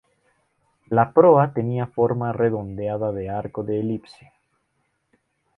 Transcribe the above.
La proa tenía forma redondeada de arco de elipse.